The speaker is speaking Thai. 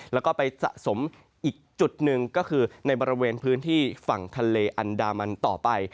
แล้วก็ไปสะสมอีกจุดหนึ่งก็คือในบริเวณพื้นที่ฝั่งทะเลอันดามันต่อไป